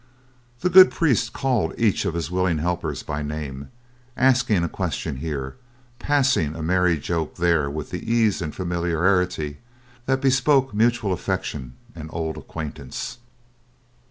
The good priest called each of his willing helpers by name, asking a question here, passing a merry joke there with the ease and familiarity that bespoke mutual affection and old acquaintance.